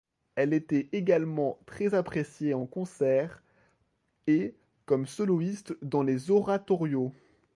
Elle était également très appréciée en concert et comme soloiste dans les oratorios.